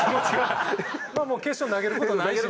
もう決勝投げる事ないしね。